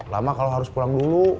lama kalau harus pulang dulu